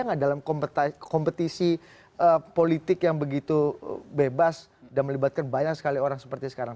tidak dalam kompetisi politik yang begitu bebas dan melibatkan banyak sekali orang seperti sekarang